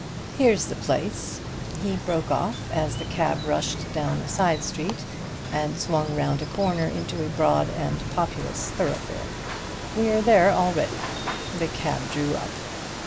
Here's the place," he broke off, as the cab rushed down a side street and swung round a corner into a broad and populous thoroughfare. "We're there already." The cab drew up.